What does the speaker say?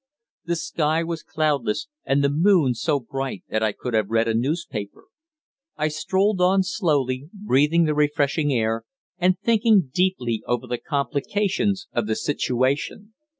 The sky was cloudless, and the moon so bright that I could have read a newspaper. I strolled on slowly, breathing the refreshing air, and thinking deeply over the complications of the situation.